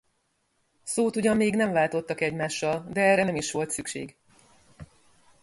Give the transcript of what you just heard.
Szót ugyan még nem váltottak egymással, de erre nem is volt szükség.